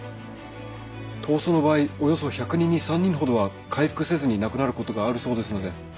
痘瘡の場合およそ１００人に３人ほどは回復せずに亡くなることがあるそうですので。